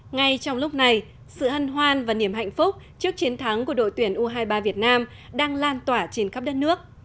ngay trong lúc này sự hân hoan và niềm hạnh phúc trước chiến thắng của đội tuyển u hai mươi ba việt nam đang lan tỏa trên khắp đất nước